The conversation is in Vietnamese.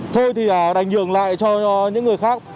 thôi thì đành nhường lại cho những người khác